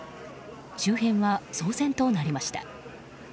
周辺は騒然となりました。